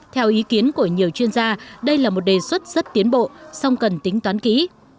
theo ý kiến của nhiều chuyên gia đây là một đề xuất rất tiến bộ song cần tính toán kỹ